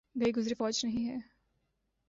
گئی گزری فوج نہیں ہے۔